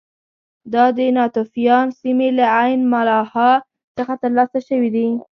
دا د ناتوفیان سیمې له عین ملاحا څخه ترلاسه شوي دي